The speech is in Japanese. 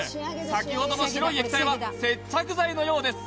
先ほどの白い液体は接着剤のようです